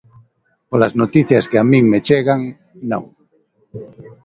Polas noticias que a min me chegan, non.